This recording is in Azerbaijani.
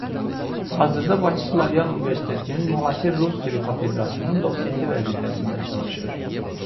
Hazırda Bakı Slavyan Universitetinin Müasir rus dili kafedrasının dosenti vəzifəsində çalışır.